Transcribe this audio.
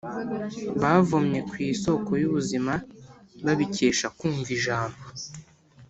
bavomye ku isoko y’ubuzima babikesha kumva ijambo